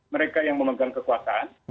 mereka yang memegang kekuatan